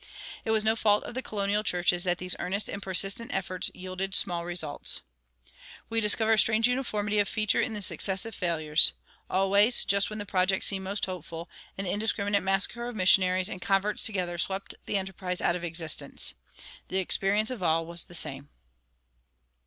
It was no fault of the colonial churches that these earnest and persistent efforts yielded small results. "We discover a strange uniformity of feature in the successive failures.... Always, just when the project seemed most hopeful, an indiscriminate massacre of missionaries and converts together swept the enterprise out of existence. The experience of all was the same."